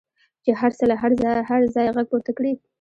چې هر څه له هره ځایه غږ پورته کړي.